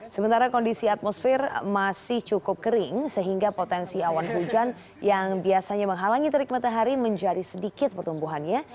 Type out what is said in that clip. sementara kondisi atmosfer masih cukup kering sehingga potensi awan hujan yang biasanya menghalangi terik matahari menjadi sedikit pertumbuhannya